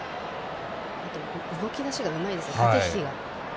動きだしが、うまいです駆け引きが。